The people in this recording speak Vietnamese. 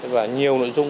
và nhiều nội dung